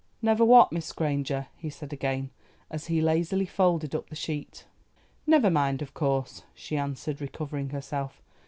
"Never what, Miss Granger?" he said again, as he lazily folded up the sheet. "Never mind, of course," she answered, recovering herself.